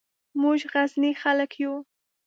موږ غرني خلک یو